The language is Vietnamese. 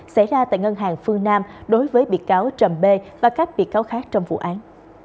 xảy ra tại ngân hàng phương nam đối với bị cáo trầm bê và các bị cáo khác trong vụ án